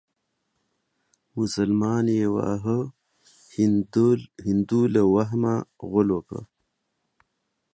مسلمان يې واهه هندو له وهمه غول وکړه.